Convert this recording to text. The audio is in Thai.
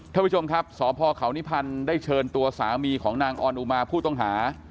ท่านผู้ชมครับสพเขานิพันธ์ได้เชิญตัวสามีของนางออนอุมาผู้ต้องหา